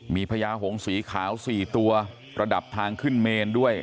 มีพญาหงสีขาว๔ตัวระดับทางขึ้นเมนด้วย